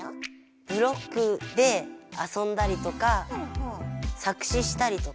ブロックであそんだりとか作詞したりとか。